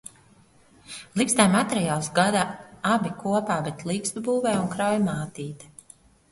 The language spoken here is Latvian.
Ligzdai materiālus gādā abi kopā, bet ligzdu būvē un krauj mātīte.